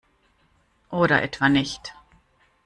Oder etwa nicht?